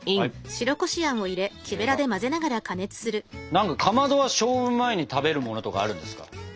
何かかまどは勝負前に食べるものとかあるんですか？